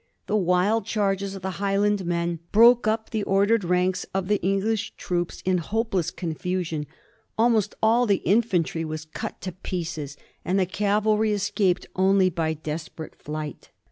The wild charges of the Highland men broke up the order ed ranks of the English troops in hopeless confusion; al most all the infantry was cut to pieces, and the cavalry 1745. BORE THB NEWS OF HIS OWN DEFEAT. 215 escaped only by desperate flight.